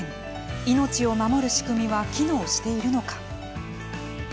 命を守る仕組みは機能しているのか。